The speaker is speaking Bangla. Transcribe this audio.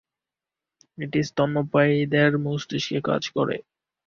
এটি স্তন্যপায়ীদের মস্তিষ্কে কাজ করে।